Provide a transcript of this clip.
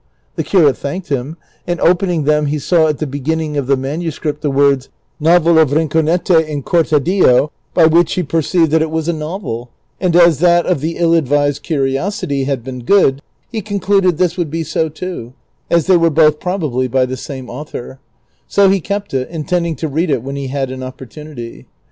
The curate thanked him, and opening them he saw at the beginning of the manuscript the words, '< Novel of Rinconete and Cortadillo," l)y which he perceived that it was a novel, and as that of " The Ill advised Curiosity " had been good he concluded this would be so too, as they were both probably by the same author ;^ so he kei)t it, intending to read it when he had an opportunity.